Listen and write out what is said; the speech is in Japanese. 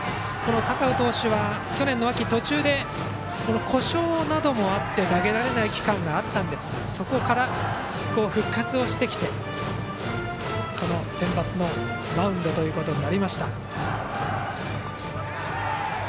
高尾投手は、去年の秋途中で故障などもあって投げられない期間がありましたがそこから復活してきてのこのセンバツのマウンドとなりました。